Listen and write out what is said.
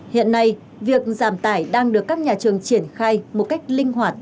hiện nay việc giảm tải đang được các nhà trường triển khai một cách linh hoạt